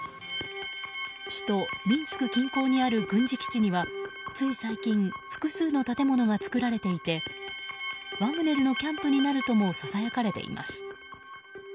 首都ミンスク近郊にある軍事基地にはつい最近複数の建物が作られていてワグネルのキャンプになるともささやかれています。